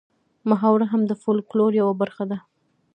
محاوره هم د فولکلور یوه برخه ده